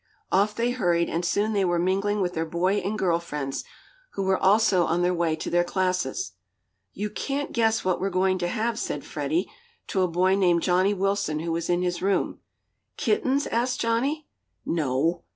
Off they hurried and soon they were mingling with their boy and girl friends, who were also on their way to their classes. "You can't guess what we're going to have," said Freddie to a boy named Johnnie Wilson, who was in his room. "Kittens?" asked Johnnie. "No."